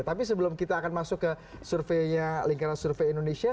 tapi sebelum kita akan masuk ke surveinya lingkaran survei indonesia